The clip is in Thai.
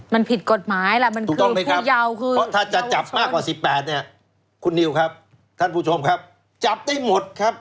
มันผิดกฎหมายถ้าจะจับมากกว่า๑๘คุณนิวครับท่านผู้ชมครับจับได้หมดครับ